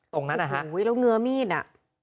ตรงนั้นนะฮะแล้วเงื้อมีดอ่ะ